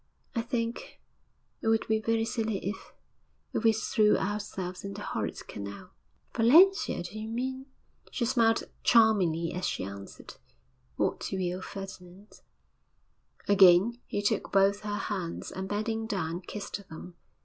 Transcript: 'I think it would be very silly if if we threw ourselves in the horrid canal.' 'Valentia, do you mean ?' She smiled charmingly as she answered, 'What you will, Ferdinand.' Again he took both her hands, and, bending down, kissed them....